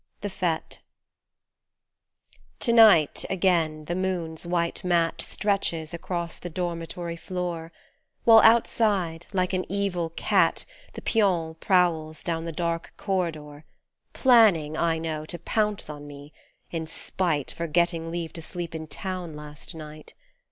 THE FETE TO NIGHT again the moon's white mat Stretches across the dormitory floor While outside, like an evil cat The pion prowls down the dark corridor, Planning, I know, to pounce on me, in spite For getting leave to sleep in town last night.